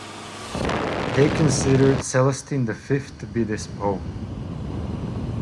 They considered Celestine the Fifth to be this Pope.